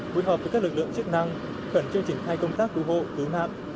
với hợp với các lực lượng chức năng khẩn trương trình khai công tác cứu hộ cứu nạn